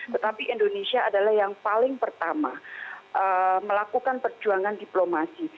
tetapi indonesia adalah yang paling pertama melakukan perjuangan diplomasi